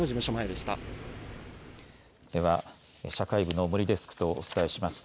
では、社会部の森デスクとお伝えします。